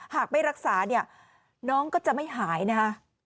หากไม่รักษาเนี่ยน้องก็จะไม่หายนะคะ